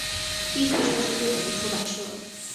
一迅社是日本的出版社。